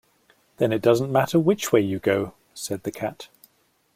‘Then it doesn’t matter which way you go,’ said the Cat.